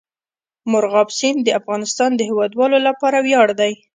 مورغاب سیند د افغانستان د هیوادوالو لپاره ویاړ دی.